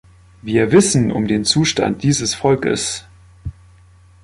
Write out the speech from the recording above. Wir wissen um den Zustand dieses Volkes.